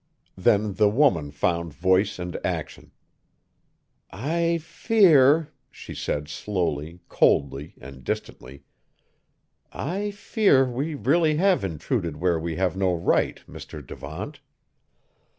Then the woman found voice and action. "I fear," she said slowly, coldly, and distantly, "I fear we really have intruded where we have no right, Mr. Devant."